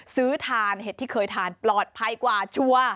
ทานเห็ดที่เคยทานปลอดภัยกว่าชัวร์